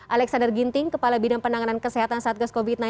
alexander ginting kepala bidang penanganan kesehatan satgas covid sembilan belas